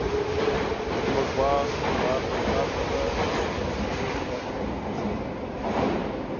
زموږ غوا برالبه ده، خو تر اوسه لا نه ده لنګه شوې